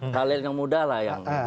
kalian yang muda lah yang